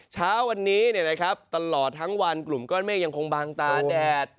เช้าวันนี้ตลอดทั้งวันกลุ่มก้อนเมฆยังคงบางตาแดด